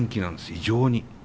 異常に。